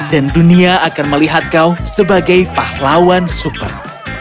dan dunia akan melihat kau sebagai pahlawan super